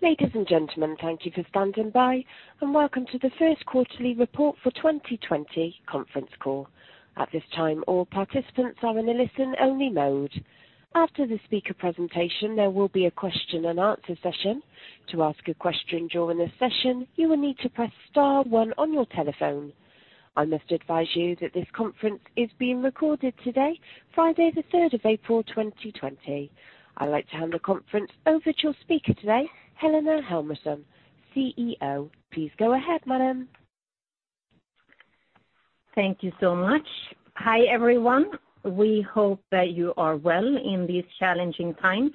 Ladies and gentlemen, thank you for standing by, welcome to the first quarterly report for 2020 conference call. At this time, all participants are in a listen-only mode. After the speaker presentation, there will be a question and answer session. To ask a question during the session, you will need to press star one on your telephone. I must advise you that this conference is being recorded today, Friday the 3rd of April 2020. I'd like to hand the conference over to your speaker today, Helena Helmersson, CEO. Please go ahead, madam. Thank you so much. Hi, everyone. We hope that you are well in these challenging times.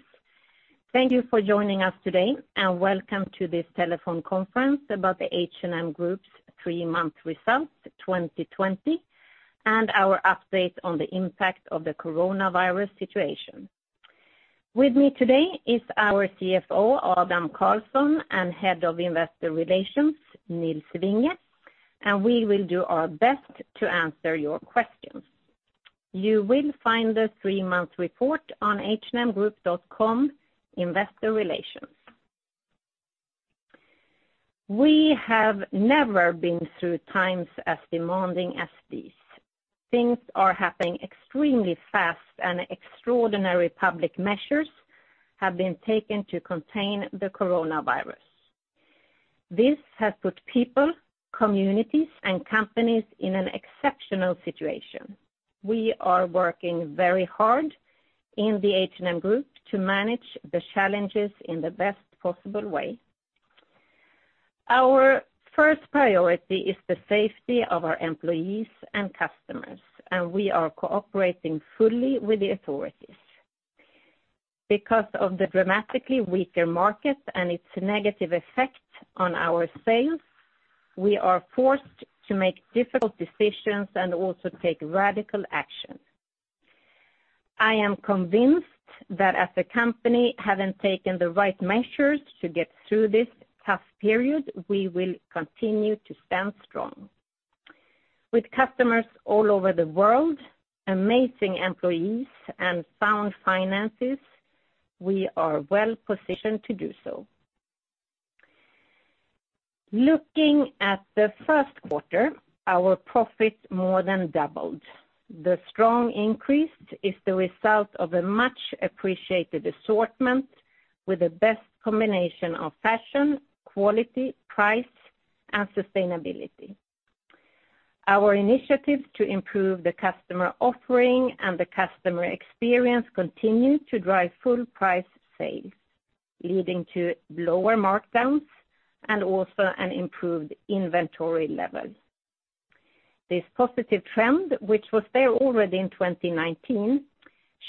Thank you for joining us today, and welcome to this telephone conference about the H&M Group's three-month result 2020 and our update on the impact of the coronavirus situation. With me today is our CFO, Adam Karlsson, and Head of Investor Relations, Nils Vinge. We will do our best to answer your questions. You will find the three-month report on hmgroup.com, investor relations. We have never been through times as demanding as these. Things are happening extremely fast and extraordinary public measures have been taken to contain the coronavirus. This has put people, communities, and companies in an exceptional situation. We are working very hard in the H&M Group to manage the challenges in the best possible way. Our first priority is the safety of our employees and customers, and we are cooperating fully with the authorities. Because of the dramatically weaker market and its negative effect on our sales, we are forced to make difficult decisions and also take radical action. I am convinced that as the company having taken the right measures to get through this tough period, we will continue to stand strong. With customers all over the world, amazing employees, and sound finances, we are well-positioned to do so. Looking at the first quarter, our profit more than doubled. The strong increase is the result of a much-appreciated assortment with the best combination of fashion, quality, price, and sustainability. Our initiatives to improve the customer offering and the customer experience continue to drive full price sales, leading to lower markdowns and also an improved inventory level. This positive trend, which was there already in 2019,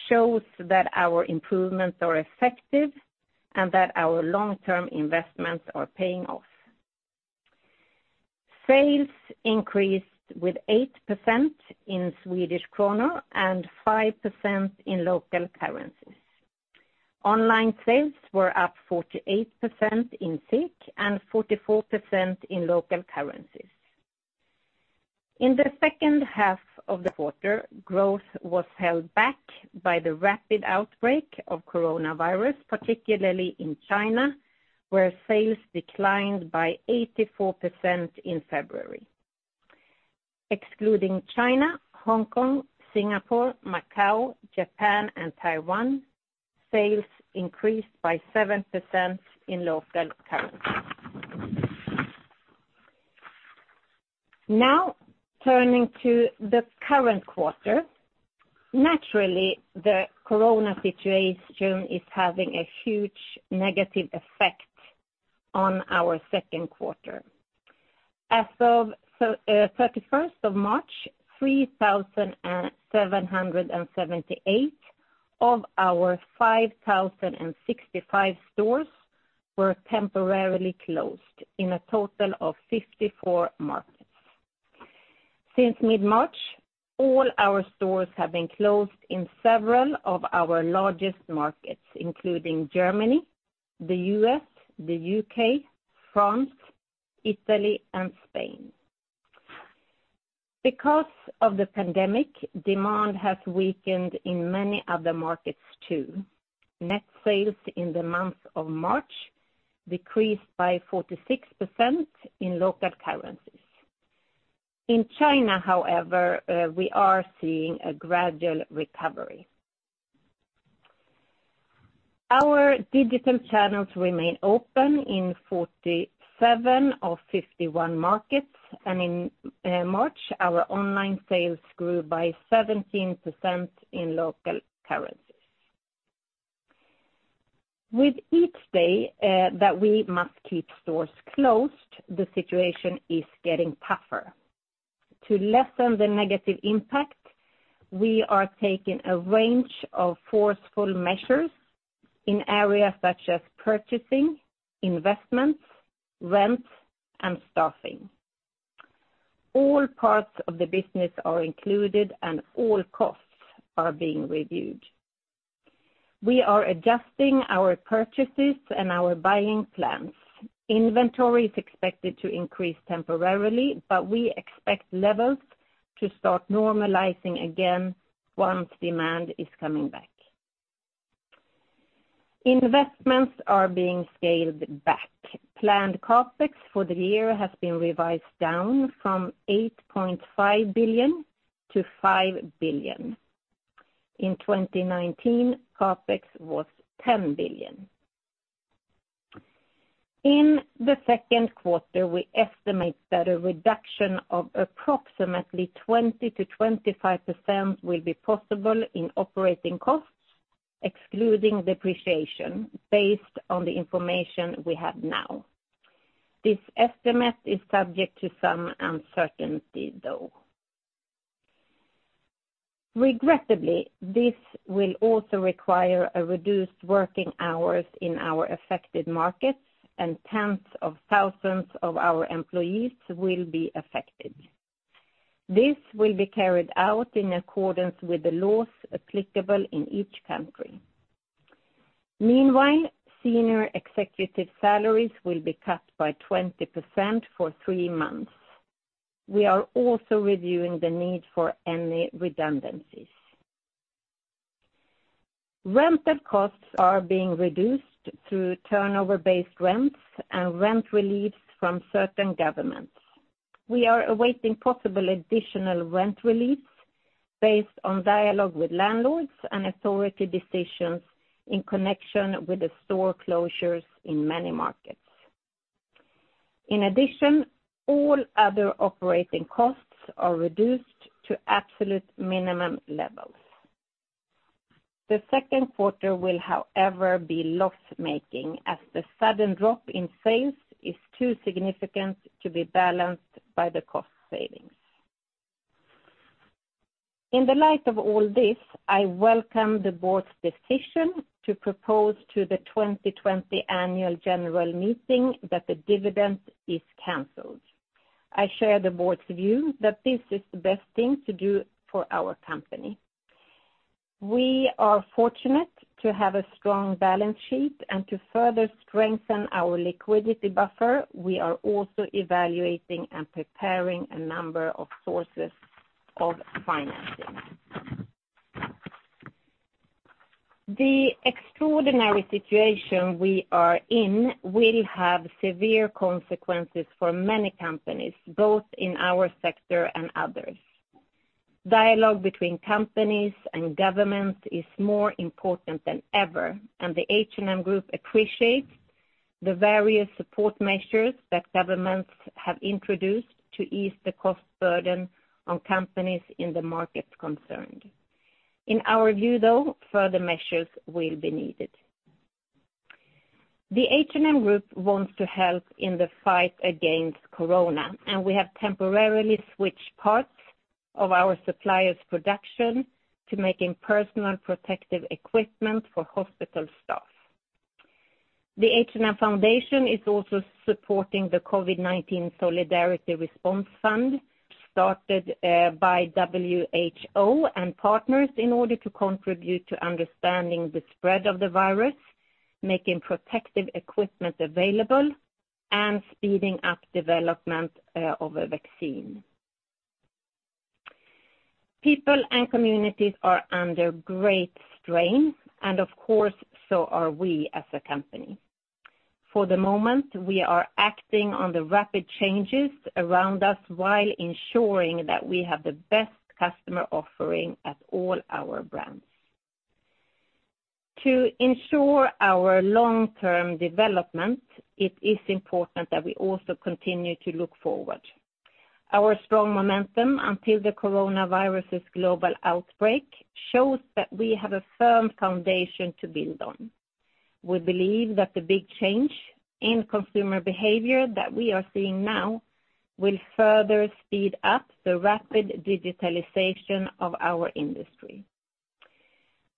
shows that our improvements are effective and that our long-term investments are paying off. Sales increased with 8% in SEK and 5% in local currencies. Online sales were up 48% in SEK and 44% in local currencies. In the second half of the quarter, growth was held back by the rapid outbreak of coronavirus, particularly in China, where sales declined by 84% in February. Excluding China, Hong Kong, Singapore, Macau, Japan, and Taiwan, sales increased by 7% in local currency. Now, turning to the current quarter. Naturally, the corona situation is having a huge negative effect on our second quarter. As of 31st of March, 3,778 of our 5,065 stores were temporarily closed in a total of 54 markets. Since mid-March, all our stores have been closed in several of our largest markets, including Germany, the U.S., the U.K., France, Italy, and Spain. Because of the pandemic, demand has weakened in many other markets, too. Net sales in the month of March decreased by 46% in local currencies. In China, however, we are seeing a gradual recovery. Our digital channels remain open in 47 of 51 markets, and in March, our online sales grew by 17% in local currencies. With each day that we must keep stores closed, the situation is getting tougher. To lessen the negative impact, we are taking a range of forceful measures in areas such as purchasing, investments, rent, and staffing. All parts of the business are included, and all costs are being reviewed. We are adjusting our purchases and our buying plans. Inventory is expected to increase temporarily, but we expect levels to start normalizing again once demand is coming back. Investments are being scaled back. Planned CapEx for the year has been revised down from 8.5 billion to 5 billion. In 2019, CapEx was 10 billion. In the second quarter, we estimate that a reduction of approximately 20%-25% will be possible in operating costs, excluding depreciation, based on the information we have now. This estimate is subject to some uncertainty, though. Regrettably, this will also require reduced working hours in our affected markets, and tens of thousands of our employees will be affected. This will be carried out in accordance with the laws applicable in each country. Meanwhile, senior executive salaries will be cut by 20% for three months. We are also reviewing the need for any redundancies. Rented costs are being reduced through turnover-based rents and rent reliefs from certain governments. We are awaiting possible additional rent reliefs based on dialogue with landlords and authority decisions in connection with the store closures in many markets. In addition, all other operating costs are reduced to absolute minimum levels. The second quarter will, however, be loss-making, as the sudden drop in sales is too significant to be balanced by the cost savings. In the light of all this, I welcome the board's decision to propose to the 2020 annual general meeting that the dividend is canceled. I share the board's view that this is the best thing to do for our company. We are fortunate to have a strong balance sheet and to further strengthen our liquidity buffer, we are also evaluating and preparing a number of sources of financing. The extraordinary situation we are in will have severe consequences for many companies, both in our sector and others. Dialogue between companies and governments is more important than ever, and the H&M Group appreciates the various support measures that governments have introduced to ease the cost burden on companies in the market concerned. In our view, though, further measures will be needed. The H&M Group wants to help in the fight against corona, and we have temporarily switched parts of our suppliers' production to making personal protective equipment for hospital staff. The H&M Foundation is also supporting the COVID-19 Solidarity Response Fund, started by WHO and partners in order to contribute to understanding the spread of the virus, making protective equipment available, and speeding up development of a vaccine. People and communities are under great strain, and of course, so are we as a company. For the moment, we are acting on the rapid changes around us while ensuring that we have the best customer offering at all our brands. To ensure our long-term development, it is important that we also continue to look forward. Our strong momentum until the coronavirus's global outbreak shows that we have a firm foundation to build on. We believe that the big change in consumer behavior that we are seeing now will further speed up the rapid digitalization of our industry.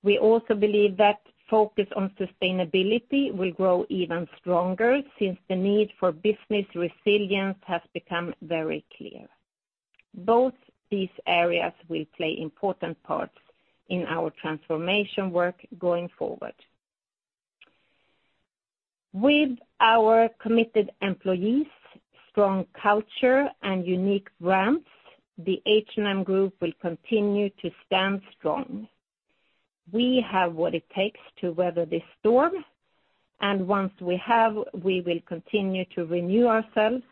We also believe that focus on sustainability will grow even stronger since the need for business resilience has become very clear. Both these areas will play important parts in our transformation work going forward. With our committed employees, strong culture, and unique brands, the H&M Group will continue to stand strong. We have what it takes to weather this storm, and once we have, we will continue to renew ourselves,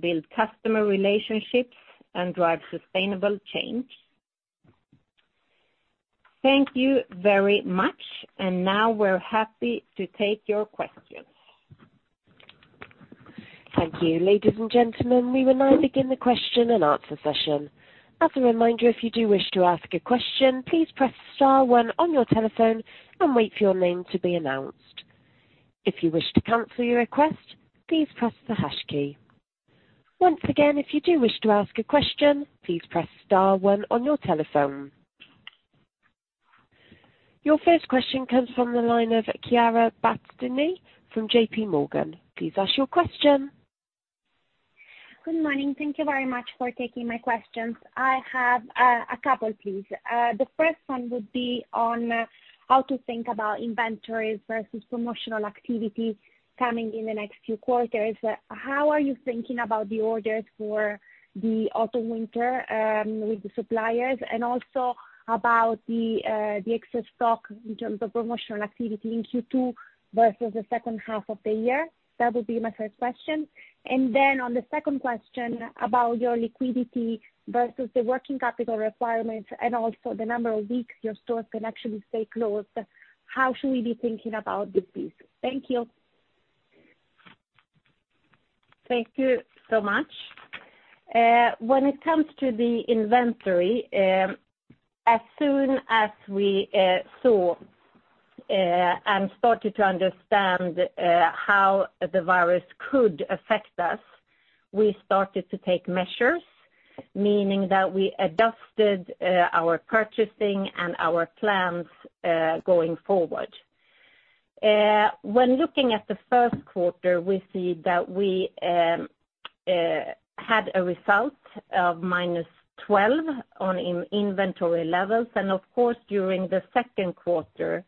build customer relationships, and drive sustainable change. Thank you very much. Now we're happy to take your questions. Thank you. Ladies and gentlemen, we will now begin the question and answer session. As a reminder, if you do wish to ask a question, please press star one on your telephone and wait for your name to be announced. If you wish to cancel your request, please press the hash key. Once again, if you do wish to ask a question, please press star one on your telephone. Your first question comes from the line of Chiara Battistini from JPMorgan. Please ask your question Good morning. Thank you very much for taking my questions. I have a couple, please. The first one would be on how to think about inventories versus promotional activity coming in the next few quarters. How are you thinking about the orders for the autumn/winter with the suppliers and also about the excess stock in terms of promotional activity in Q2 versus the second half of the year? That would be my first question. On the second question about your liquidity versus the working capital requirements and also the number of weeks your stores can actually stay closed, how should we be thinking about this piece? Thank you. Thank you so much. When it comes to the inventory, as soon as we saw and started to understand how the virus could affect us, we started to take measures, meaning that we adjusted our purchasing and our plans going forward. When looking at the first quarter, we see that we had a result of -12 on inventory levels, and of course, during the second quarter,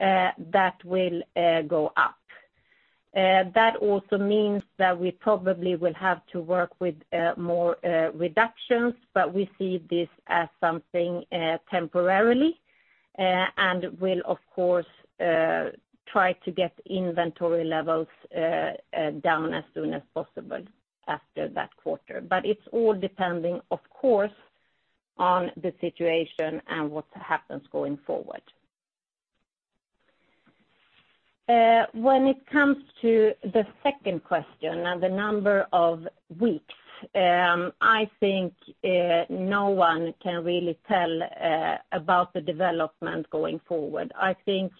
that will go up. That also means that we probably will have to work with more reductions, but we see this as something temporarily and will, of course, try to get inventory levels down as soon as possible after that quarter. It's all depending, of course, on the situation and what happens going forward. When it comes to the second question on the number of weeks, I think no one can really tell about the development going forward. I think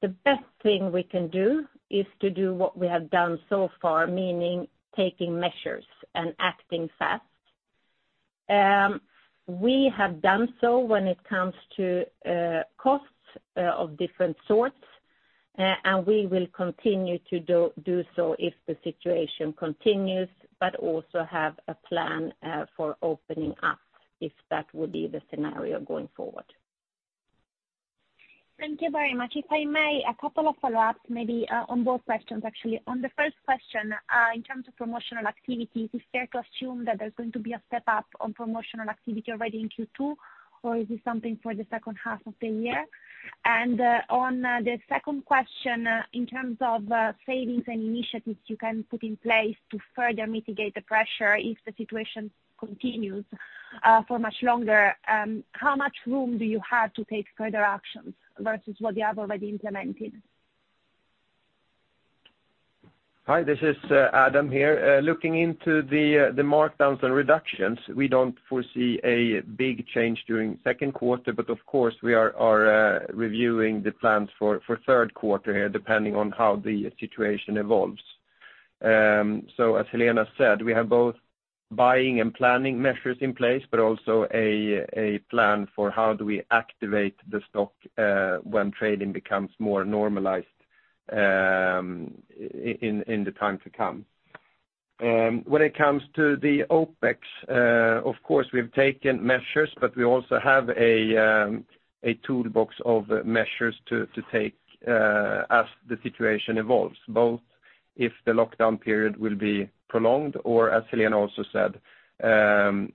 the best thing we can do is to do what we have done so far, meaning taking measures and acting fast. We have done so when it comes to costs of different sorts, and we will continue to do so if the situation continues, but also have a plan for opening up if that would be the scenario going forward. Thank you very much. If I may, a couple of follow-ups, maybe on both questions, actually. On the first question, in terms of promotional activity, is it fair to assume that there's going to be a step up on promotional activity already in Q2? Or is this something for the second half of the year? On the second question, in terms of savings and initiatives you can put in place to further mitigate the pressure if the situation continues for much longer, how much room do you have to take further actions versus what you have already implemented? Hi, this is Adam here. Looking into the markdowns and reductions, we don't foresee a big change during the second quarter, of course, we are reviewing the plans for the third quarter here, depending on how the situation evolves. As Helena said, we have both buying and planning measures in place, but also a plan for how do we activate the stock when trading becomes more normalized in the time to come. When it comes to the OPEX, of course, we've taken measures, but we also have a toolbox of measures to take as the situation evolves, both if the lockdown period will be prolonged or, as Helena also said,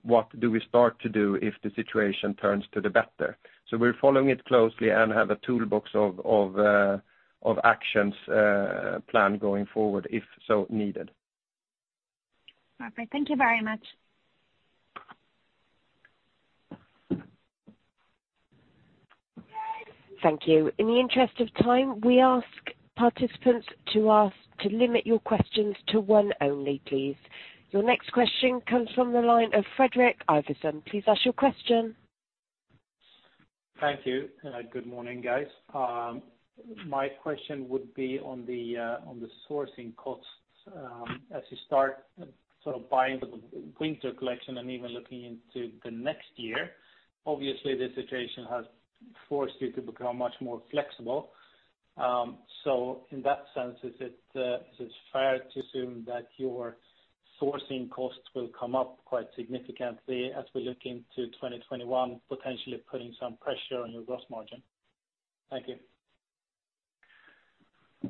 what do we start to do if the situation turns to the better. We're following it closely and have a toolbox of actions planned going forward if so needed. Perfect. Thank you very much. Thank you. In the interest of time, we ask participants to limit your questions to one only, please. Your next question comes from the line of Fredrik Ivarsson. Please ask your question. Thank you. Good morning, guys. My question would be on the sourcing costs as you start buying the winter collection and even looking into the next year. Obviously, the situation has forced you to become much more flexible. In that sense, is it fair to assume that your sourcing costs will come up quite significantly as we look into 2021, potentially putting some pressure on your gross margin? Thank you.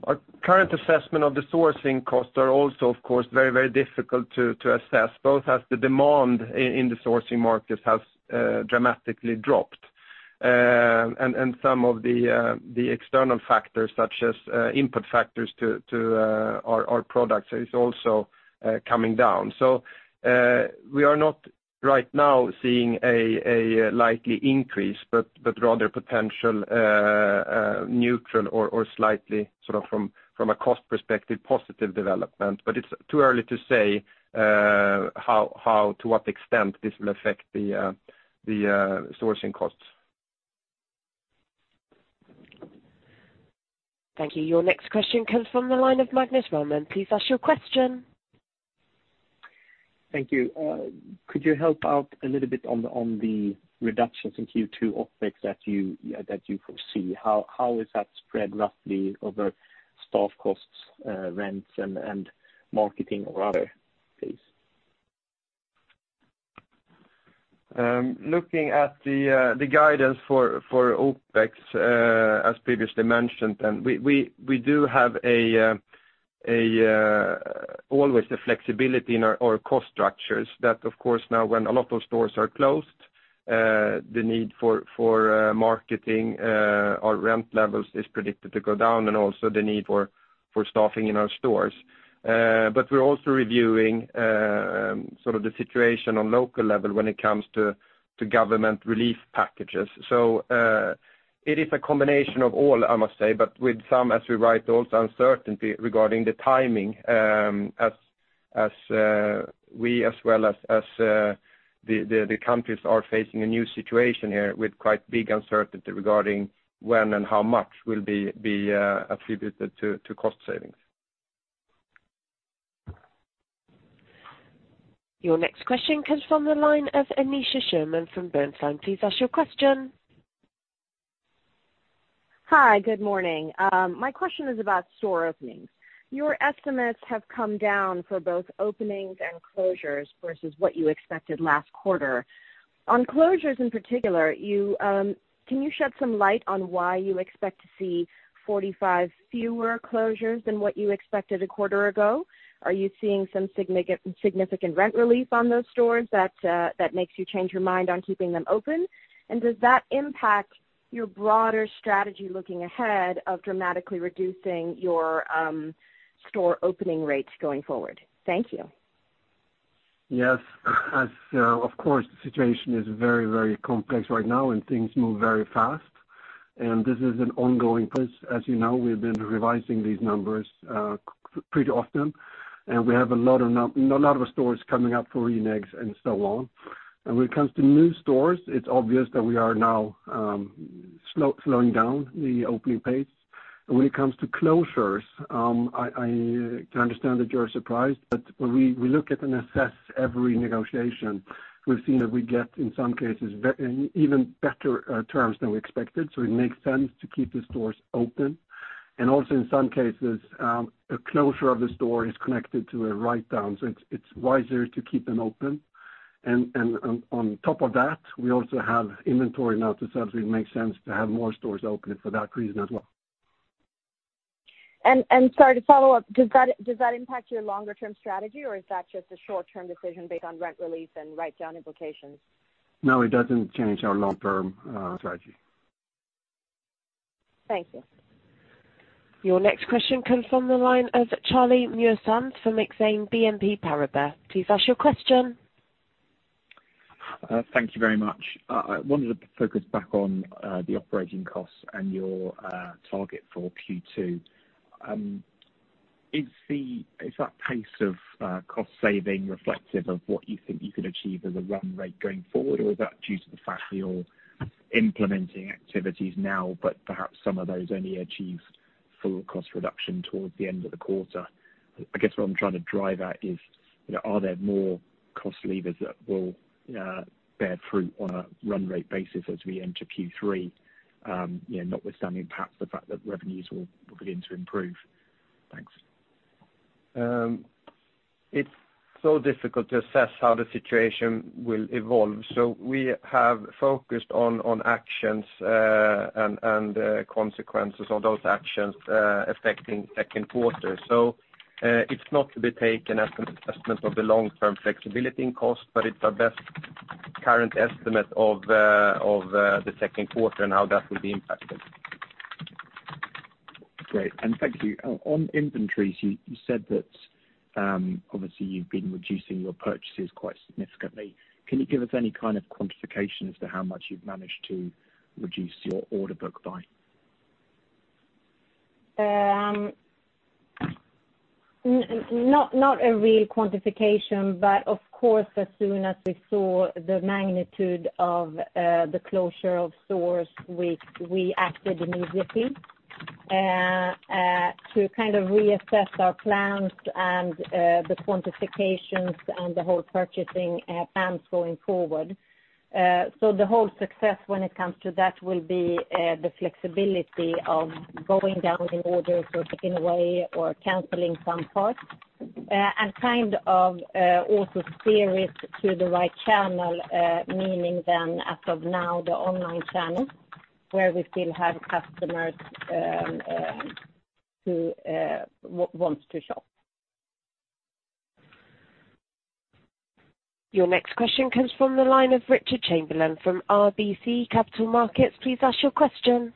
Our current assessment of the sourcing costs are also, of course, very difficult to assess, both as the demand in the sourcing markets has dramatically dropped and some of the external factors such as input factors to our products is also coming down. We are not right now seeing a likely increase, but rather potential neutral or slightly from a cost perspective, positive development. It's too early to say to what extent this will affect the sourcing costs. Thank you. Your next question comes from the line of Magnus Råman. Please ask your question. Thank you. Could you help out a little bit on the reductions in Q2 OPEX that you foresee? How is that spread roughly over. Staff costs, rents, and marketing or other, please. Looking at the guidance for OPEX as previously mentioned, we do have always the flexibility in our cost structures that, of course, now when a lot of stores are closed, the need for marketing, our rent levels is predicted to go down and also the need for staffing in our stores. We're also reviewing the situation on local level when it comes to government relief packages. It is a combination of all, I must say, but with some, as we write, also uncertainty regarding the timing, as we, as well as the countries are facing a new situation here with quite big uncertainty regarding when and how much will be attributed to cost savings. Your next question comes from the line of Aneesha Sherman from Bernstein. Please ask your question. Hi, good morning. My question is about store openings. Your estimates have come down for both openings and closures versus what you expected last quarter. On closures in particular, can you shed some light on why you expect to see 45 fewer closures than what you expected a quarter ago? Are you seeing some significant rent relief on those stores that makes you change your mind on keeping them open? Does that impact your broader strategy looking ahead of dramatically reducing your store opening rates going forward? Thank you. Yes. Of course, the situation is very complex right now and things move very fast. This is an ongoing process. As you know, we've been revising these numbers pretty often, and we have a lot of stores coming up for renegotiations and so on. When it comes to new stores, it's obvious that we are now slowing down the opening pace. When it comes to closures, I can understand that you're surprised, we look at and assess every negotiation. We've seen that we get, in some cases, even better terms than we expected, it makes sense to keep the stores open. Also in some cases, a closure of the store is connected to a writedown, it's wiser to keep them open. On top of that, we also have inventory now, so certainly it makes sense to have more stores open for that reason as well. Sorry to follow up, does that impact your longer-term strategy or is that just a short-term decision based on rent relief and write-down implications? No, it doesn't change our long-term strategy. Thank you. Your next question comes from the line of Charlie Muir-Sands from Exane BNP Paribas. Please ask your question. Thank you very much. I wanted to focus back on the operating costs and your target for Q2. Is that pace of cost saving reflective of what you think you can achieve as a run rate going forward? Or is that due to the fact that you're implementing activities now, but perhaps some of those only achieve full cost reduction towards the end of the quarter? I guess what I'm trying to drive at is, are there more cost levers that will bear fruit on a run rate basis as we enter Q3, notwithstanding perhaps the fact that revenues will begin to improve? Thanks. It's so difficult to assess how the situation will evolve. We have focused on actions and the consequences of those actions affecting second quarter. It's not to be taken as an assessment of the long-term flexibility in cost, but it's our best current estimate of the second quarter and how that will be impacted. Great. Thank you. On inventories, you said that obviously you've been reducing your purchases quite significantly. Can you give us any kind of quantification as to how much you've managed to reduce your order book by? Not a real quantification. Of course, as soon as we saw the magnitude of the closure of stores, we acted immediately to reassess our plans and the quantifications and the whole purchasing plans going forward. The whole success when it comes to that will be the flexibility of going down in orders or taking away or canceling some parts, and also steer it to the right channel, meaning then as of now, the online channel where we still have customers who want to shop. Your next question comes from the line of Richard Chamberlain from RBC Capital Markets. Please ask your question.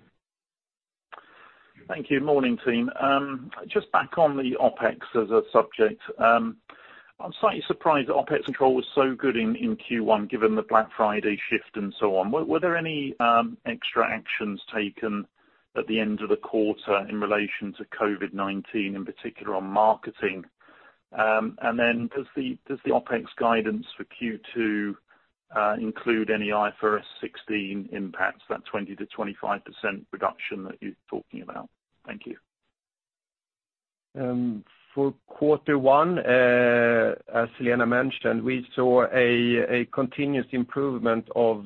Thank you. Morning, team. Just back on the OPEX as a subject. I'm slightly surprised that OPEX control was so good in Q1, given the Black Friday shift and so on. Were there any extra actions taken at the end of the quarter in relation to COVID-19, in particular on marketing? Does the OPEX guidance for Q2 include any IFRS 16 impacts, that 20%-25% reduction that you're talking about? Thank you. For quarter one, as Helena mentioned, we saw a continuous improvement of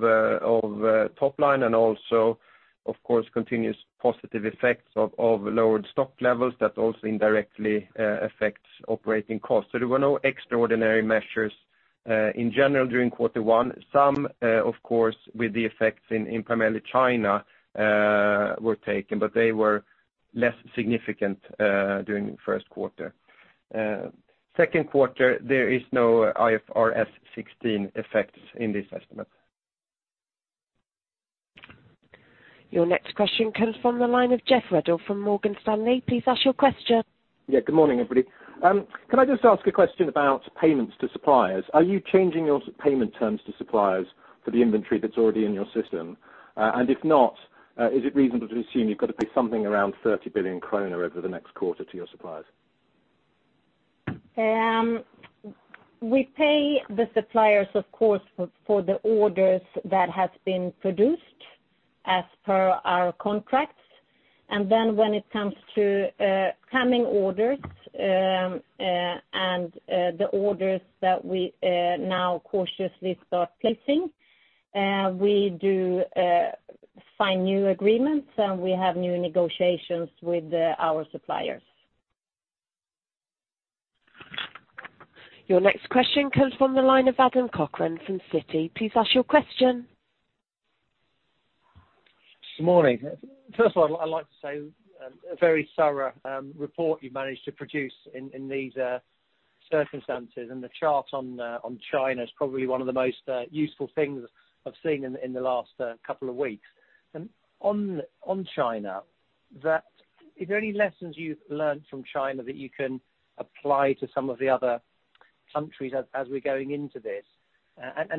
top line and also, of course, continuous positive effects of lowered stock levels that also indirectly affects operating costs. There were no extraordinary measures in general during quarter one. Some, of course, with the effects in primarily China, were taken, but they were less significant during the first quarter. Second quarter, there is no IFRS 16 effects in this estimate. Your next question comes from the line of Geoff Ruddell from Morgan Stanley. Please ask your question. Yeah. Good morning, everybody. Can I just ask a question about payments to suppliers? Are you changing your payment terms to suppliers for the inventory that's already in your system? If not, is it reasonable to assume you've got to pay something around 30 billion kronor over the next quarter to your suppliers? We pay the suppliers, of course, for the orders that have been produced as per our contracts. When it comes to coming orders, and the orders that we now cautiously start placing, we do sign new agreements, and we have new renegotiations with our suppliers. Your next question comes from the line of Adam Cochrane from Citi. Please ask your question. Good morning. First of all, I'd like to say, a very thorough report you've managed to produce in these circumstances. The chart on China is probably one of the most useful things I've seen in the last couple of weeks. On China, are there any lessons you've learned from China that you can apply to some of the other countries as we're going into this?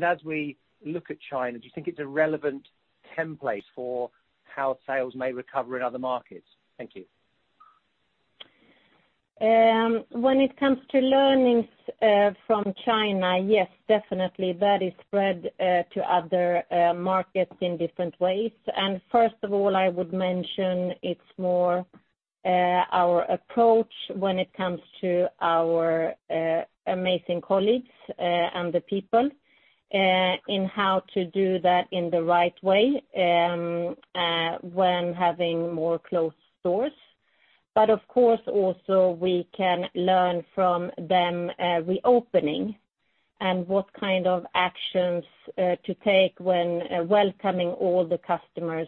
As we look at China, do you think it's a relevant template for how sales may recover in other markets? Thank you. When it comes to learnings from China, yes, definitely, that is spread to other markets in different ways. First of all, I would mention it's more our approach when it comes to our amazing colleagues, and the people, in how to do that in the right way, when having more closed stores. Of course, also, we can learn from them reopening and what kind of actions to take when welcoming all the customers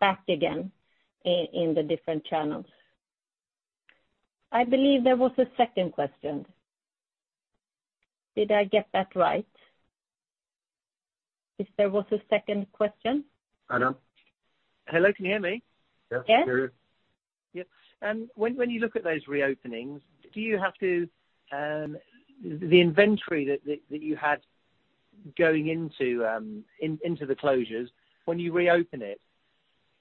back again in the different channels. I believe there was a second question. Did I get that right? If there was a second question? Hello, can you hear me? Yes. Yeah. When you look at those reopenings, the inventory that you had going into the closures, when you reopen it,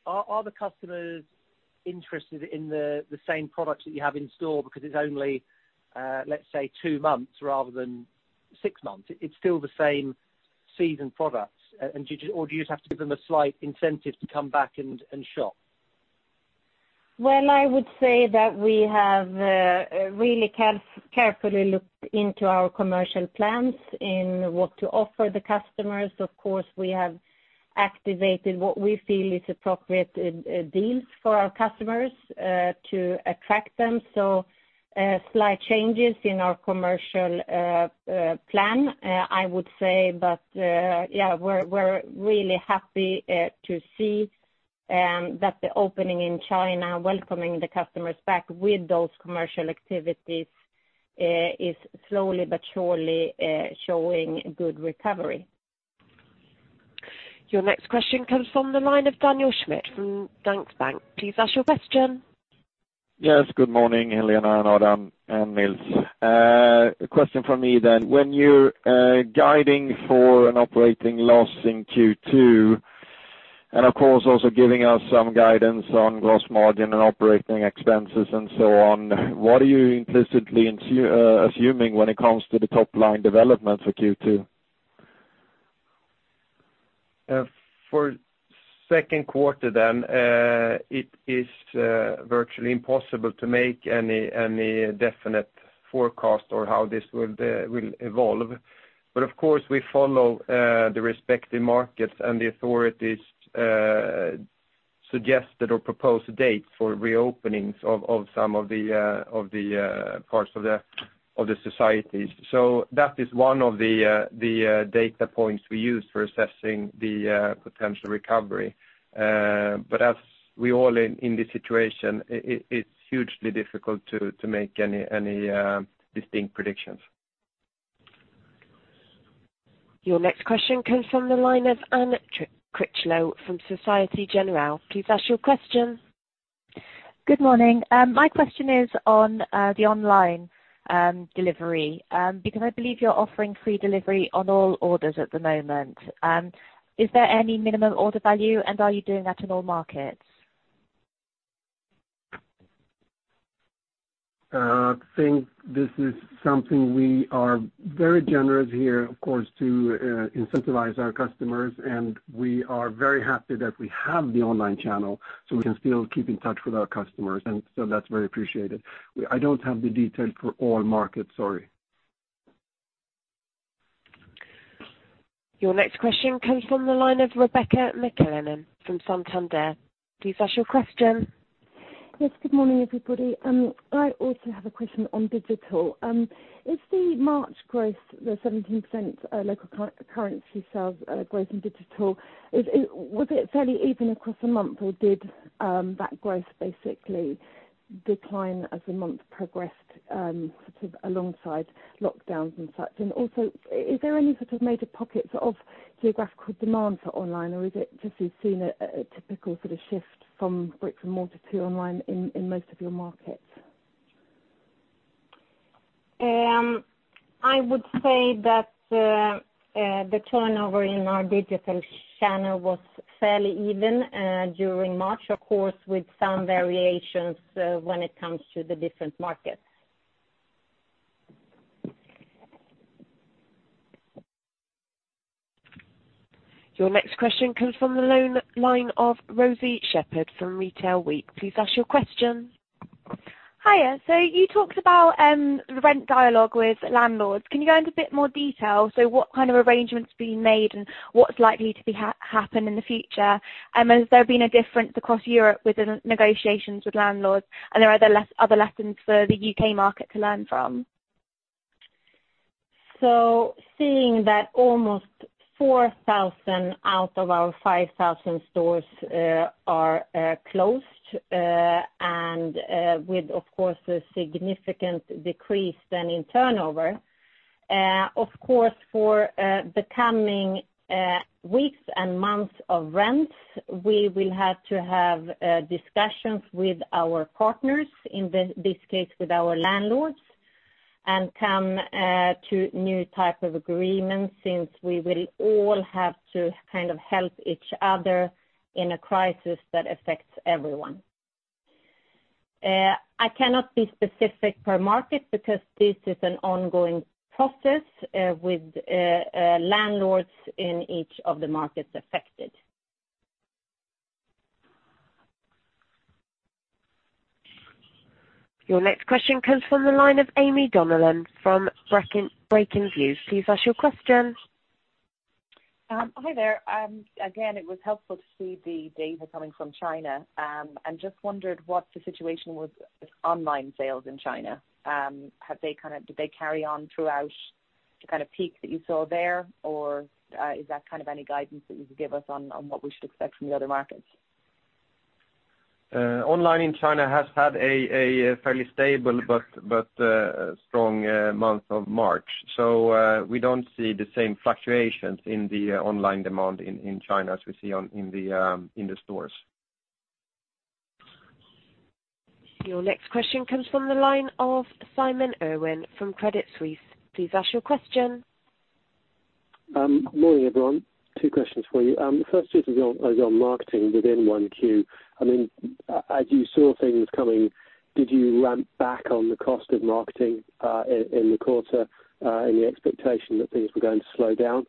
are the customers interested in the same products that you have in store because it's only, let's say, two months rather than six months? It's still the same season products. Do you just have to give them a slight incentive to come back and shop? Well, I would say that we have really carefully looked into our commercial plans in what to offer the customers. Of course, we have activated what we feel is appropriate deals for our customers, to attract them. Slight changes in our commercial plan, I would say. Yeah, we're really happy to see that the opening in China, welcoming the customers back with those commercial activities, is slowly but surely showing good recovery. Your next question comes from the line of Daniel Schmidt from Danske Bank. Please ask your question. Yes, good morning, Helena and Adam and Nils. A question from me. When you're guiding for an operating loss in Q2, of course also giving us some guidance on gross margin and operating expenses and so on, what are you implicitly assuming when it comes to the top-line development for Q2? For second quarter, it is virtually impossible to make any definite forecast on how this will evolve. Of course, we follow the respective markets and the authorities' suggested or proposed dates for reopenings of some of the parts of the societies. That is one of the data points we use for assessing the potential recovery. As we all in this situation, it's hugely difficult to make any distinct predictions. Your next question comes from the line of Anne Critchlow from Societe Generale. Please ask your question. Good morning. My question is on the online delivery, because I believe you're offering free delivery on all orders at the moment. Is there any minimum order value, and are you doing that in all markets? I think this is something we are very generous here, of course, to incentivize our customers. We are very happy that we have the online channel, so we can still keep in touch with our customers. That's very appreciated. I don't have the detail for all markets, sorry. Your next question comes from the line of Rebecca McClellan from Santander. Please ask your question. Yes. Good morning, everybody. I also have a question on digital. Is the March growth, the 17% local currency sales growth in digital, was it fairly even across the month or did that growth basically decline as the month progressed alongside lockdowns and such? Also, is there any sort of major pockets of geographical demand for online or is it just you've seen a typical sort of shift from bricks and mortar to online in most of your markets? I would say that the turnover in our digital channel was fairly even during March, of course, with some variations when it comes to the different markets. Your next question comes from the line of Rosie Shepard from Retail Week. Please ask your question. Hiya. You talked about the rent dialogue with landlords. Can you go into a bit more detail? What kind of arrangements are being made and what's likely to happen in the future? Has there been a difference across Europe with the negotiations with landlords? Are there other lessons for the U.K. market to learn from? Seeing that almost 4,000 out of our 5,000 stores are closed, and with, of course, a significant decrease then in turnover, of course, for the coming weeks and months of rent, we will have to have discussions with our partners, in this case with our landlords, and come to new type of agreements since we will all have to help each other in a crisis that affects everyone. I cannot be specific per market because this is an ongoing process with landlords in each of the markets affected. Your next question comes from the line of Aimee Donnellan from Breakingviews. Please ask your question. Hi there. Again, it was helpful to see the data coming from China. I just wondered what the situation was with online sales in China. Did they carry on throughout the kind of peak that you saw there? Is there any guidance that you could give us on what we should expect from the other markets? Online in China has had a fairly stable but strong month of March. We don't see the same fluctuations in the online demand in China as we see in the stores. Your next question comes from the line of Simon Irwin from Credit Suisse. Please ask your question. Morning, everyone. Two questions for you. The first is on your marketing within 1Q. As you saw things coming, did you ramp back on the cost of marketing in the quarter in the expectation that things were going to slow down?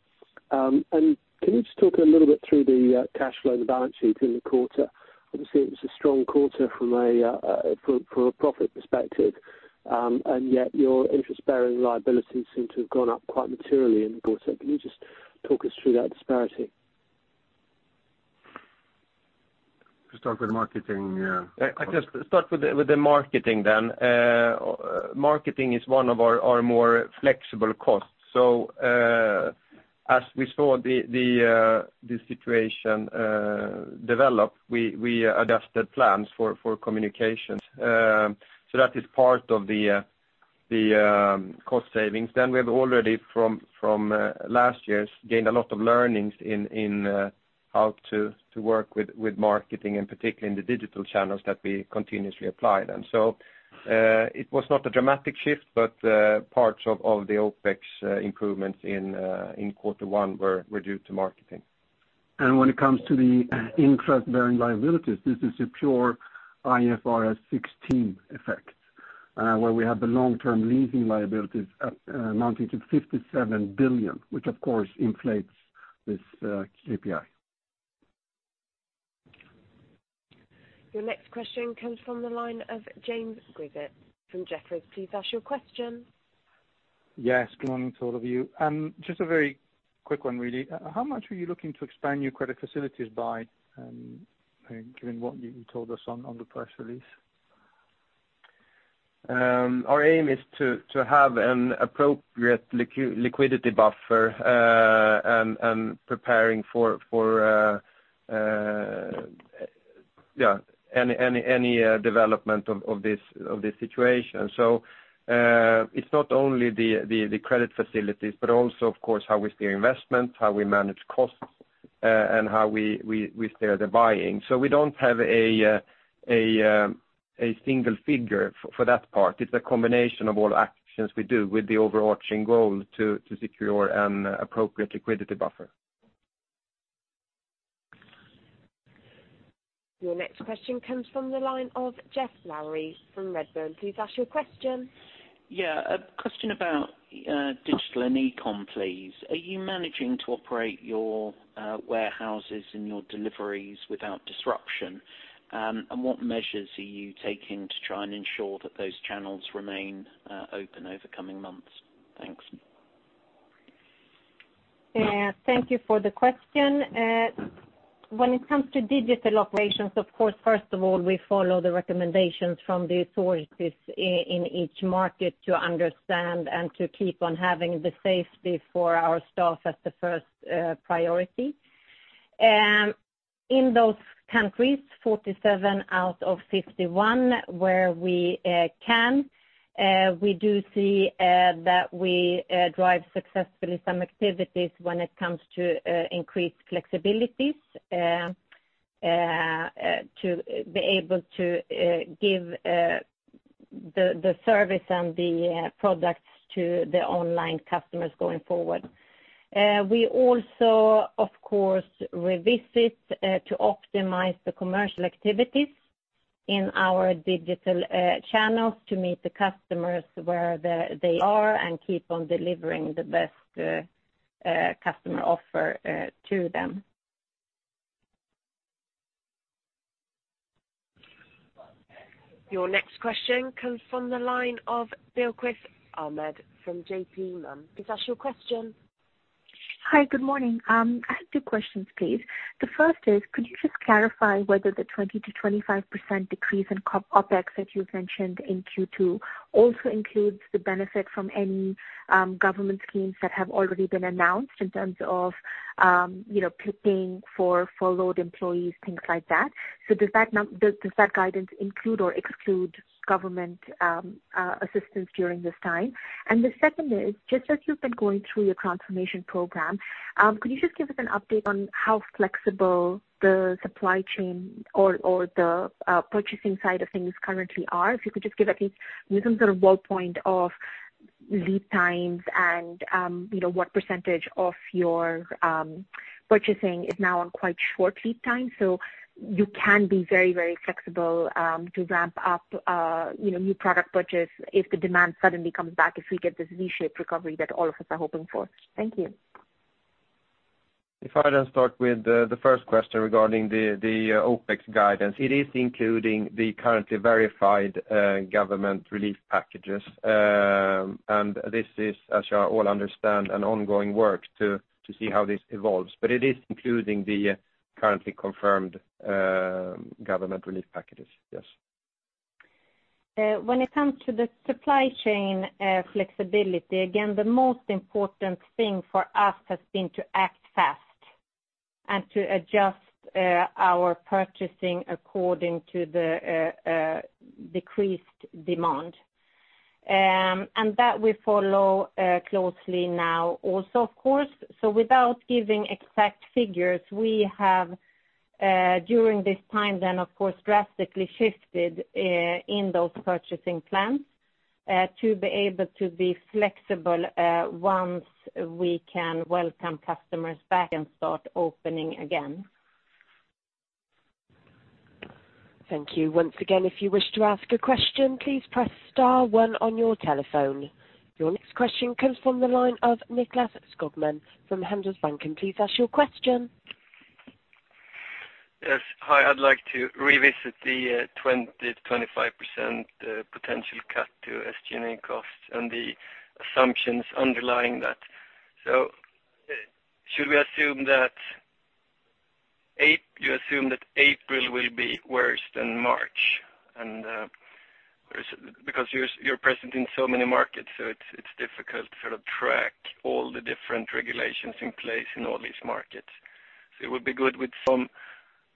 Can you just talk a little bit through the cash flow and the balance sheet in the quarter? Obviously, it was a strong quarter from a profit perspective, and yet your interest-bearing liabilities seem to have gone up quite materially in the quarter. Can you just talk us through that disparity? Start with marketing, yeah. I just start with the marketing. Marketing is one of our more flexible costs. As we saw the situation develop, we adjusted plans for communications. That is part of the cost savings. We have already, from last year, gained a lot of learnings in how to work with marketing, and particularly in the digital channels that we continuously applied. It was not a dramatic shift, but parts of the OpEx improvements in quarter one were due to marketing. When it comes to the interest-bearing liabilities, this is a pure IFRS 16 effect where we have the long-term leasing liabilities amounting to 57 billion, which of course inflates this KPI. Your next question comes from the line of James Grzinic from Jefferies. Please ask your question. Yes, good morning to all of you. Just a very quick one, really. How much were you looking to expand your credit facilities by, given what you told us on the press release? Our aim is to have an appropriate liquidity buffer and preparing for any development of this situation. It's not only the credit facilities, but also, of course, how we steer investment, how we manage costs, and how we steer the buying. We don't have a single figure for that part. It's a combination of all actions we do with the overarching goal to secure an appropriate liquidity buffer. Your next question comes from the line of Geoff Lowery from Redburn. Please ask your question. Yeah. A question about digital and e-com, please. Are you managing to operate your warehouses and your deliveries without disruption? What measures are you taking to try and ensure that those channels remain open over coming months? Thank you for the question. When it comes to digital operations, of course, first of all, we follow the recommendations from the authorities in each market to understand and to keep on having the safety for our staff as the first priority. In those countries, 47 out of 51, where we can, we do see that we drive successfully some activities when it comes to increased flexibilities to be able to give the service and the products to the online customers going forward. We also, of course, revisit to optimize the commercial activities in our digital channels to meet the customers where they are and keep on delivering the best customer offer to them. Your next question comes from the line of Bilquis Ahmed from JPMorgan. Please ask your question. Hi, good morning. I have two questions, please. The first is, could you just clarify whether the 20%-25% decrease in OPEX that you mentioned in Q2 also includes the benefit from any government schemes that have already been announced in terms of paying for furloughed employees, things like that. Does that guidance include or exclude government assistance during this time? The second is, just as you've been going through your transformation program, could you just give us an update on how flexible the supply chain or the purchasing side of things currently are? If you could just give at least some sort of ball point of lead times and what percentage of your purchasing is now on quite short lead time. You can be very, very flexible to ramp up new product purchase if the demand suddenly comes back, if we get this V-shaped recovery that all of us are hoping for. Thank you. If I start with the first question regarding the OPEX guidance. It is including the currently verified government relief packages. This is, as you all understand, an ongoing work to see how this evolves. It is including the currently confirmed government relief packages, yes. When it comes to the supply chain flexibility, again, the most important thing for us has been to act fast and to adjust our purchasing according to the decreased demand. That we follow closely now also, of course. Without giving exact figures, we have, during this time then, of course, drastically shifted in those purchasing plans to be able to be flexible once we can welcome customers back and start opening again. Thank you. Once again, if you wish to ask a question, please press star one on your telephone. Your next question comes from the line of Nicklas Skogman from Handelsbanken. Please ask your question. Yes. Hi. I'd like to revisit the 20%-25% potential cut to SG&A costs and the assumptions underlying that. Should we assume that April will be worse than March? Because you're present in so many markets, so it's difficult to sort of track all the different regulations in place in all these markets. It would be good with some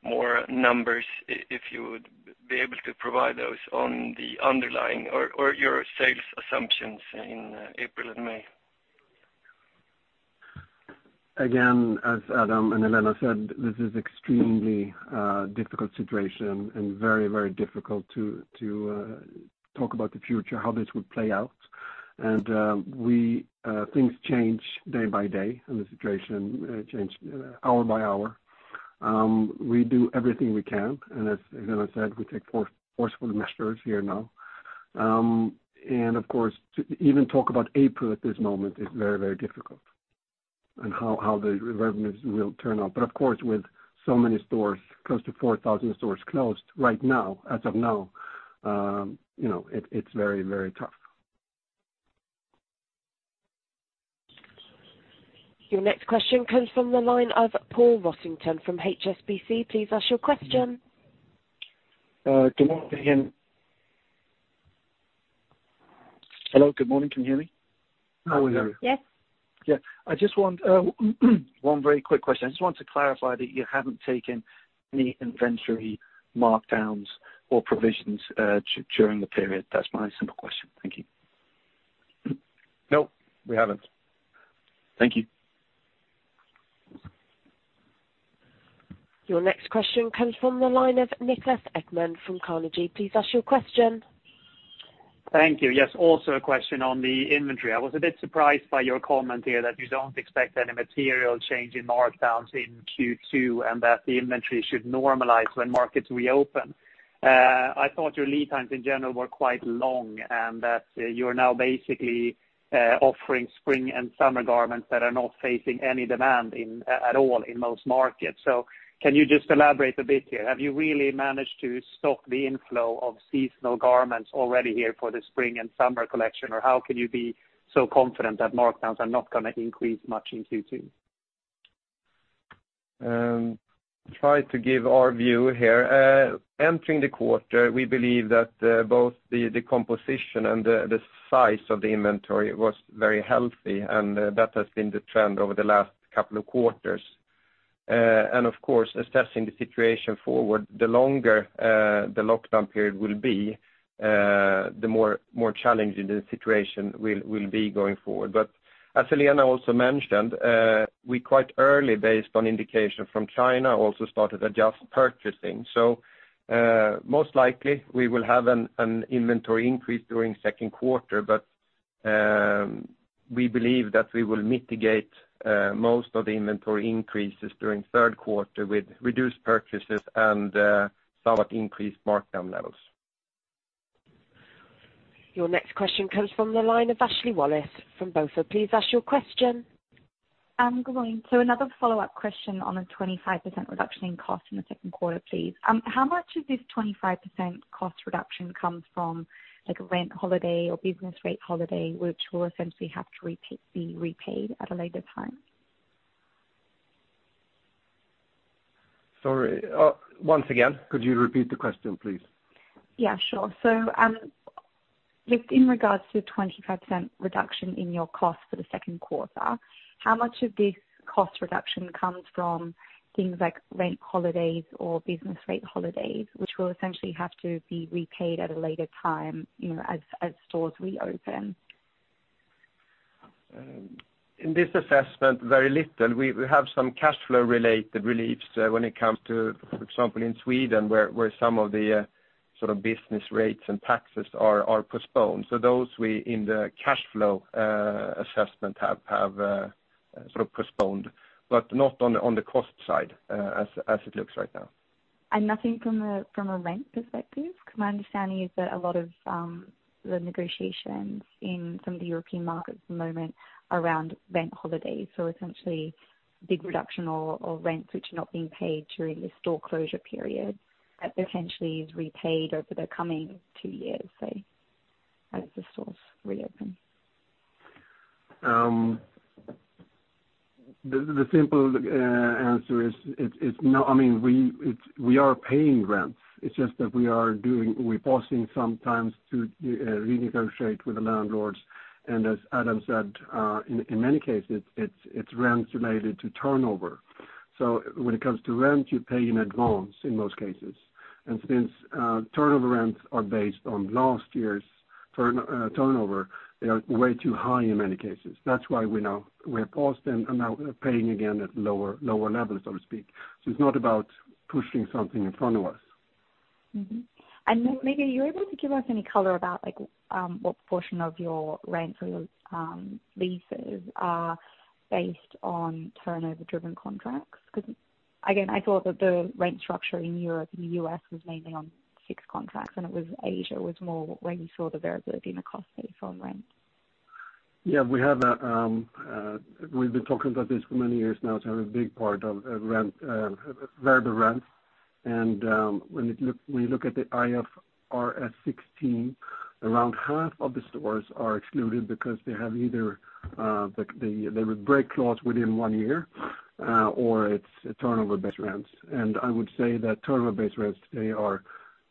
more numbers, if you would be able to provide those on the underlying or your sales assumptions in April and May. Again, as Adam and Helena said, this is extremely difficult situation and very difficult to talk about the future, how this would play out. Things change day by day, and the situation change hour by hour. We do everything we can, and as Helena said, we take forceful measures here now. Of course, to even talk about April at this moment is very difficult and how the revenues will turn out. Of course, with so many stores, close to 4,000 stores closed right now, as of now, it's very tough. Your next question comes from the line of Paul Rossington from HSBC. Please ask your question. Good morning. Hello, good morning. Can you hear me? We hear you. Yes. Yeah. One very quick question. I just want to clarify that you haven't taken any inventory markdowns or provisions during the period. That's my simple question. Thank you. No, we haven't. Thank you. Your next question comes from the line of Niklas Ekman from Carnegie. Please ask your question. Thank you. Yes, also a question on the inventory. I was a bit surprised by your comment here that you don't expect any material change in markdowns in Q2, and that the inventory should normalize when markets reopen. I thought your lead times in general were quite long, and that you are now basically offering spring and summer garments that are not facing any demand at all in most markets. Can you just elaborate a bit here? Have you really managed to stop the inflow of seasonal garments already here for the spring and summer collection, or how can you be so confident that markdowns are not going to increase much in Q2? Try to give our view here. Entering the quarter, we believe that both the composition and the size of the inventory was very healthy, and that has been the trend over the last couple of quarters. Of course, assessing the situation forward, the longer the lockdown period will be, the more challenging the situation will be going forward. As Helena also mentioned, we quite early, based on indication from China, also started adjust purchasing. Most likely we will have an inventory increase during second quarter, but we believe that we will mitigate most of the inventory increases during third quarter with reduced purchases and somewhat increased markdown levels. Your next question comes from the line of Ashley Wallace from BofA. Please ask your question. Good morning. Another follow-up question on a 25% reduction in cost in the second quarter, please. How much of this 25% cost reduction comes from rent holiday or business rate holiday, which will essentially have to be repaid at a later time? Sorry. Once again, could you repeat the question, please? Yeah, sure. Just in regards to the 25% reduction in your cost for the second quarter, how much of this cost reduction comes from things like rent holidays or business rate holidays, which will essentially have to be repaid at a later time as stores reopen? In this assessment, very little. We have some cash flow related reliefs when it comes to, for example, in Sweden, where some of the business rates and taxes are postponed. Those in the cash flow assessment have postponed, but not on the cost side as it looks right now. Nothing from a rent perspective? Because my understanding is that a lot of the negotiations in some of the European markets at the moment around rent holidays, so essentially big reduction of rents which are not being paid during this store closure period, that potentially is repaid over the coming two years, say, as the stores reopen. The simple answer is we are paying rents. It's just that we are pausing sometimes to renegotiate with the landlords. As Adam said, in many cases, it's rents related to turnover. When it comes to rent, you pay in advance in most cases. Since turnover rents are based on last year's turnover, they are way too high in many cases. That's why we paused them and now we're paying again at lower levels, so to speak. It's not about pushing something in front of us. Mm-hmm. Maybe are you able to give us any color about what portion of your rent or your leases are based on turnover-driven contracts? Because, again, I thought that the rent structure in Europe and the U.S. was mainly on fixed contracts, and it was Asia was more where you saw the variability in the costs from rent. Yeah, we've been talking about this for many years now. A big part of rent, variable rent. When you look at the IFRS 16, around half of the stores are excluded because they have either the break clause within one year or it's turnover-based rents. I would say that turnover-based rents today are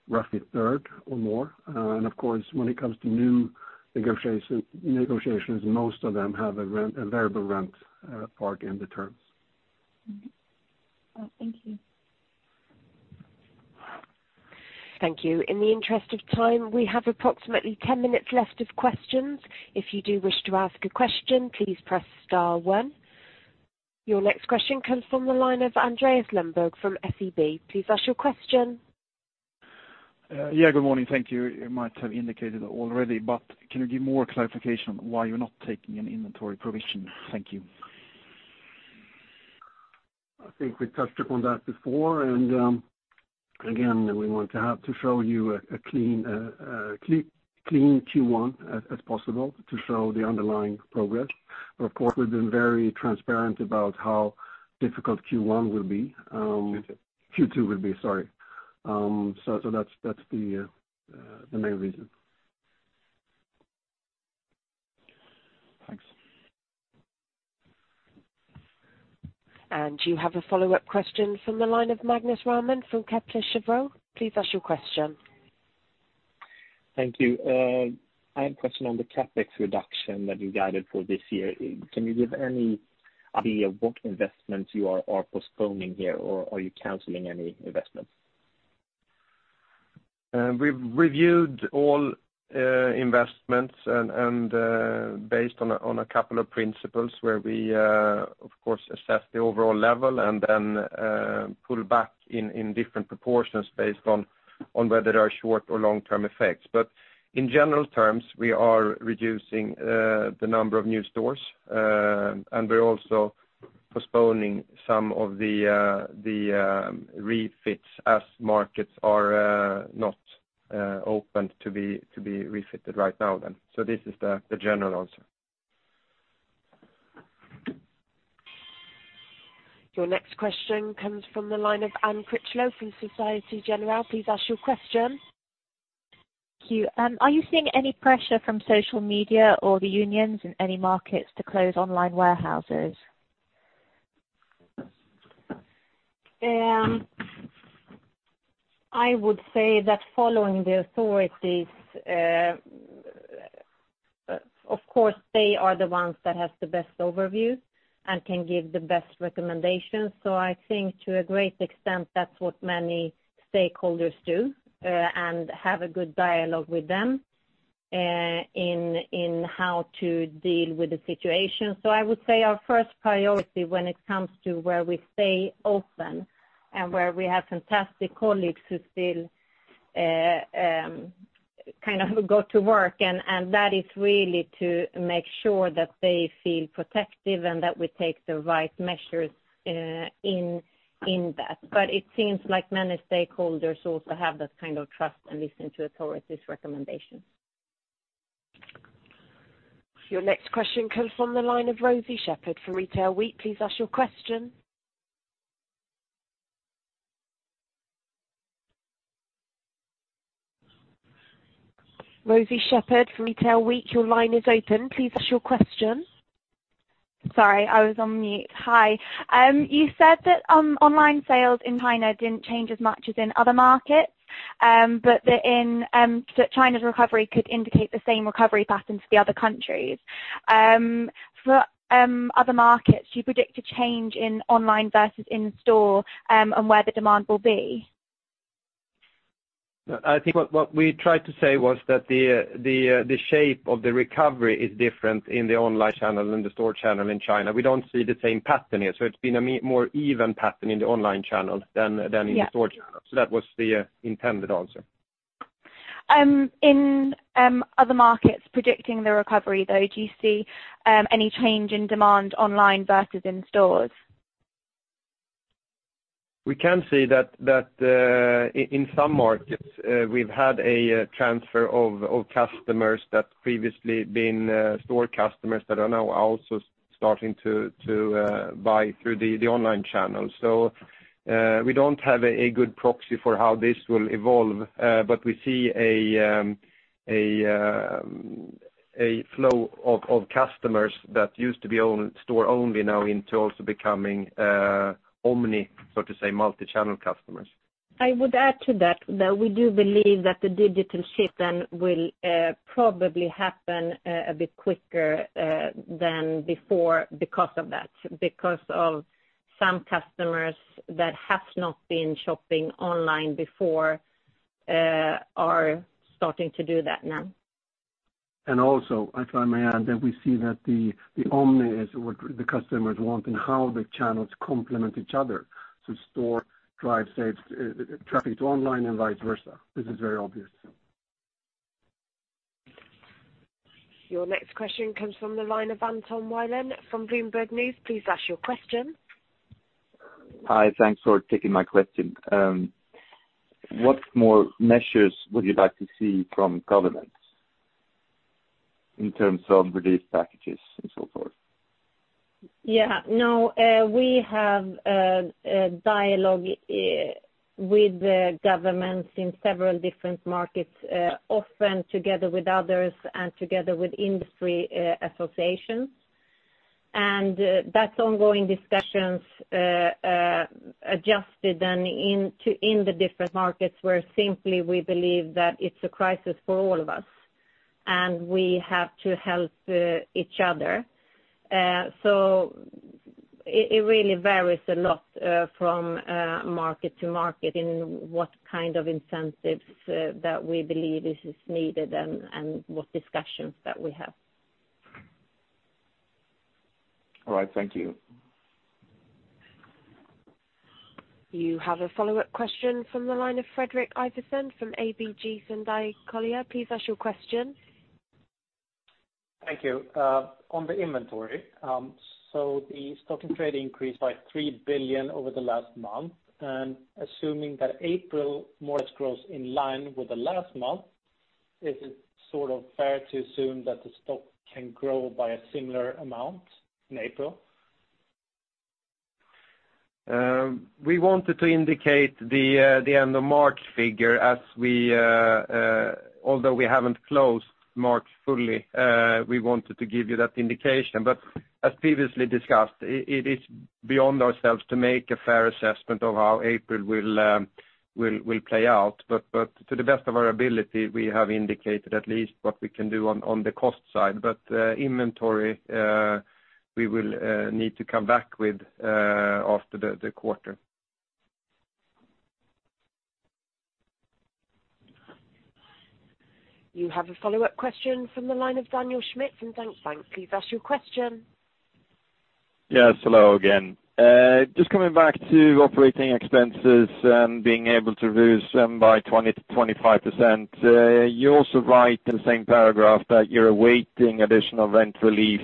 roughly a third or more. Of course, when it comes to new negotiations, most of them have a variable rent part in the terms. Thank you. Thank you. In the interest of time, we have approximately 10 minutes left of questions. If you do wish to ask a question, please press star one. Your next question comes from the line of Andreas Lundberg from SEB. Please ask your question. Good morning. Thank you. You might have indicated already, but can you give more clarification on why you're not taking an inventory provision? Thank you. I think we touched upon that before, and again, we want to have to show you a clean Q1 as possible to show the underlying progress. Of course, we've been very transparent about how difficult Q1 will be. Q2 will be, sorry. That's the main reason. Thanks. Do you have a follow-up question from the line of Magnus Råman from Kepler Cheuvreux? Please ask your question. Thank you. I have a question on the CapEx reduction that you guided for this year. Can you give any idea what investments you are postponing here, or are you canceling any investments? We've reviewed all investments and based on a couple of principles where we, of course, assess the overall level and then pull back in different proportions based on whether they are short or long-term effects. In general terms, we are reducing the number of new stores, and we're also postponing some of the refits as markets are not open to be refitted right now then. This is the general answer. Your next question comes from the line of Anne Critchlow from Societe Generale. Please ask your question. Thank you. Are you seeing any pressure from social media or the unions in any markets to close online warehouses? I would say that following the authorities, of course, they are the ones that have the best overview and can give the best recommendations. I think to a great extent, that's what many stakeholders do, and have a good dialogue with them in how to deal with the situation. I would say our first priority when it comes to where we stay open and where we have fantastic colleagues who still kind of go to work, and that is really to make sure that they feel protected and that we take the right measures in that. It seems like many stakeholders also have that kind of trust and listen to authorities' recommendations. Your next question comes from the line of Rosie Shepard from Retail Week. Please ask your question. Rosie Shepard from Retail Week, your line is open. Please ask your question. Sorry, I was on mute. Hi. You said that online sales in China didn't change as much as in other markets, but that China's recovery could indicate the same recovery pattern for the other countries. For other markets, do you predict a change in online versus in-store and where the demand will be? I think what we tried to say was that the shape of the recovery is different in the online channel than the store channel in China. We don't see the same pattern yet. It's been a more even pattern in the online channel than- Yeah in the store channel. That was the intended answer. In other markets predicting the recovery, though, do you see any change in demand online versus in stores? We can see that in some markets, we've had a transfer of customers that previously been store customers that are now also starting to buy through the online channel. We don't have a good proxy for how this will evolve, but we see a flow of customers that used to be store only now into also becoming omni, so to say, multi-channel customers. I would add to that we do believe that the digital shift then will probably happen a bit quicker than before because of that. Because of some customers that have not been shopping online before are starting to do that now. Also, if I may add, that we see that the omni is what the customers want and how the channels complement each other. Store drive traffic to online and vice versa. This is very obvious. Your next question comes from the line of Anton Wilen from Bloomberg News. Please ask your question. Hi. Thanks for taking my question. What more measures would you like to see from governments in terms of relief packages and so forth? Yeah. We have a dialogue with the governments in several different markets, often together with others and together with industry associations. That's ongoing discussions adjusted then in the different markets where simply we believe that it's a crisis for all of us, and we have to help each other. It really varies a lot from market to market in what kind of incentives that we believe is needed and what discussions that we have. All right. Thank you. You have a follow-up question from the line of Fredrik Ivarsson from ABG Sundal Collier. Please ask your question. Thank you. On the inventory, so the stock and trade increased by 3 billion over the last month. Assuming that April merch grows in line with the last month, is it fair to assume that the stock can grow by a similar amount in April? We wanted to indicate the end of March figure. Although we haven't closed March fully, we wanted to give you that indication. As previously discussed, it is beyond ourselves to make a fair assessment of how April will play out. To the best of our ability, we have indicated at least what we can do on the cost side. Inventory, we will need to come back with after the quarter. You have a follow-up question from the line of Daniel Schmidt from Deutsche Bank. Please ask your question. Yes, hello again. Just coming back to operating expenses and being able to reduce them by 20%-25%. You also write in the same paragraph that you're awaiting additional rent relief.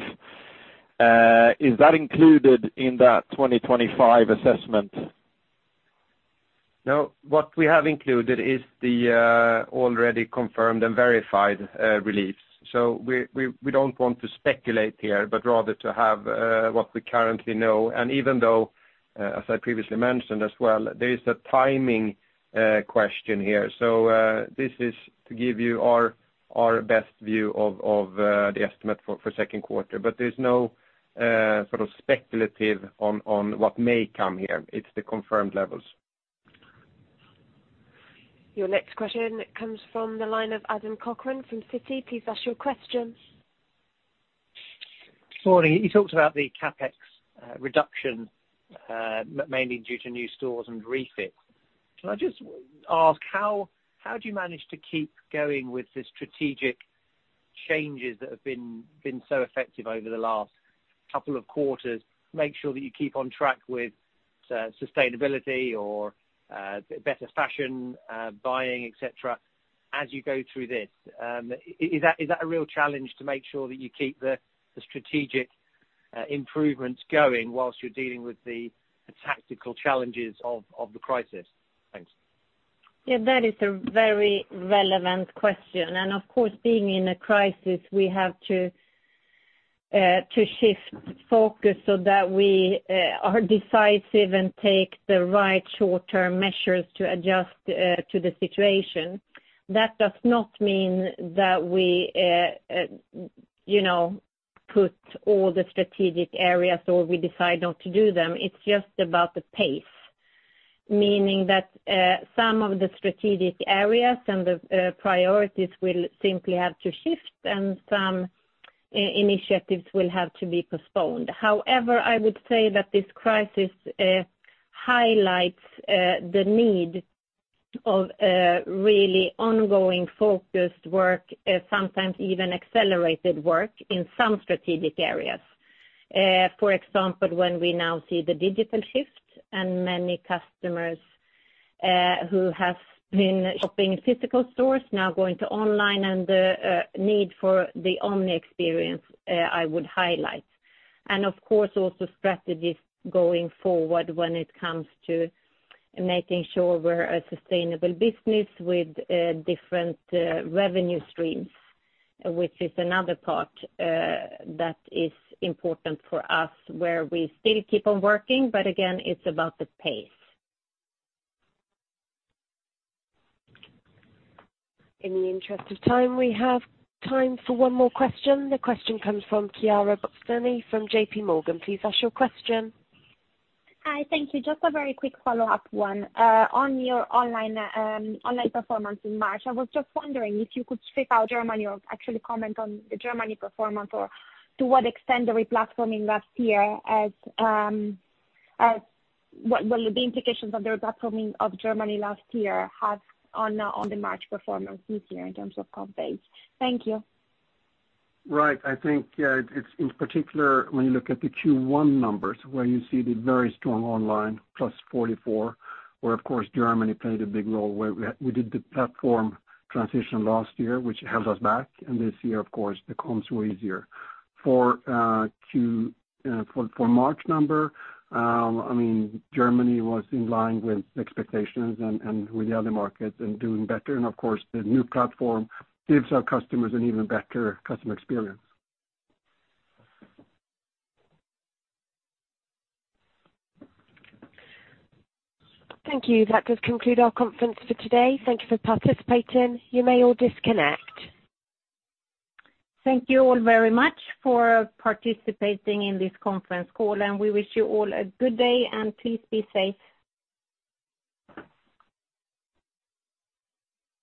Is that included in that 2025 assessment? No, what we have included is the already confirmed and verified reliefs. We don't want to speculate here, but rather to have what we currently know. Even though, as I previously mentioned as well, there is a timing question here. This is to give you our best view of the estimate for second quarter. There's no sort of speculative on what may come here. It's the confirmed levels. Your next question comes from the line of Adam Cochrane from Citi. Please ask your question. Morning. You talked about the CapEx reduction, mainly due to new stores and refits. Can I just ask how do you manage to keep going with the strategic changes that have been so effective over the last couple of quarters, make sure that you keep on track with sustainability or better fashion buying, et cetera, as you go through this? Is that a real challenge to make sure that you keep the strategic improvements going while you're dealing with the tactical challenges of the crisis? Thanks. Yeah, that is a very relevant question. Of course, being in a crisis, we have to shift focus so that we are decisive and take the right short-term measures to adjust to the situation. That does not mean that we put all the strategic areas or we decide not to do them. It's just about the pace. Meaning that some of the strategic areas and the priorities will simply have to shift, and some initiatives will have to be postponed. However, I would say that this crisis highlights the need of really ongoing focused work, sometimes even accelerated work in some strategic areas. For example, when we now see the digital shift and many customers who have been shopping in physical stores now going to online and the need for the omni experience, I would highlight. Of course, also strategies going forward when it comes to making sure we're a sustainable business with different revenue streams, which is another part that is important for us, where we still keep on working, but again, it's about the pace. In the interest of time, we have time for one more question. The question comes from Chiara Battistini from JPMorgan. Please ask your question. Hi, thank you. Just a very quick follow-up one. On your online performance in March, I was just wondering if you could strip out Germany or actually comment on the Germany performance or to what extent the re-platforming last year, what the implications of the re-platforming of Germany last year have on the March performance this year in terms of comp base. Thank you. Right. I think, yeah, it's in particular when you look at the Q1 numbers, where you see the very strong online, +44%, where of course Germany played a big role where we did the platform transition last year, which held us back. This year, of course, the comps were easier. For March number, Germany was in line with expectations and with the other markets and doing better. Of course, the new platform gives our customers an even better customer experience. Thank you. That does conclude our conference for today. Thank you for participating. You may all disconnect. Thank you all very much for participating in this conference call, and we wish you all a good day, and please be safe.